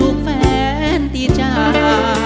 ทุกแฟนติดจาก